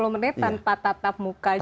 tiga puluh menit tanpa tatap muka juga